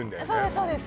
そうです